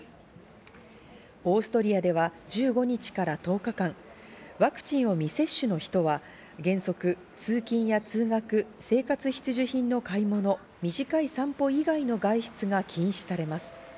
オーストリアでは１５日から１０日間、ワクチンを未接種の人は原則、通勤や通学、生活必需品の買い物、短い散歩以外の外出が禁止されます。